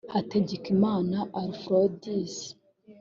Hategekimana Aphrodis